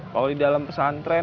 kalau di dalam pesantren